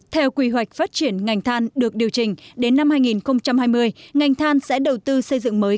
theo quy hoạch phát triển ngành than được điều chỉnh đến năm hai nghìn hai mươi ngành than sẽ đầu tư xây dựng mới